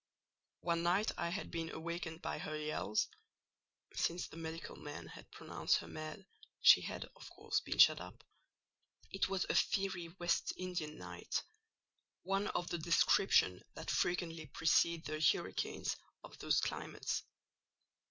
"One night I had been awakened by her yells—(since the medical men had pronounced her mad, she had, of course, been shut up)—it was a fiery West Indian night; one of the description that frequently precede the hurricanes of those climates.